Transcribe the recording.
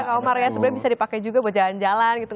sebenarnya bisa dipakai juga buat jalan jalan